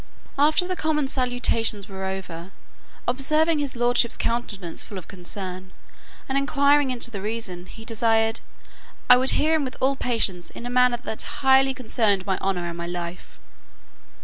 After the common salutations were over, observing his lordship's countenance full of concern, and inquiring into the reason, he desired "I would hear him with patience, in a matter that highly concerned my honour and my life."